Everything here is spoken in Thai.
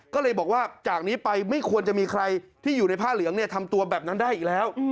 ก็เลยบอกว่าจากนี้ไปไม่ควรจะมีใครที่อยู่ในผ้าเหลืองทำตัวแบบนั้นได้อีกแล้ว